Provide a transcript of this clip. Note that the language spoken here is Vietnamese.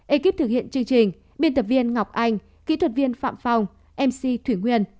ekip thực hiện chương trình biên tập viên ngọc anh kỹ thuật viên phạm phòng mc thủy nguyên